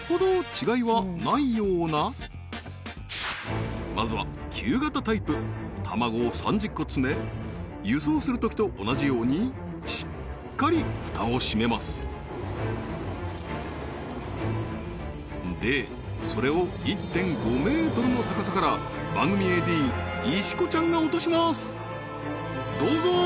違いはないようなまずは旧型タイプ卵を３０個詰め輸送するときと同じようにしっかり蓋を閉めますでそれを１．５ｍの高さから番組ＡＤ石河ちゃんが落としますどうぞ！